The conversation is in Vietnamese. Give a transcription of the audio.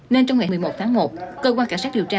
nên trong ngày một mươi một tháng một cơ quan cảnh sát điều tra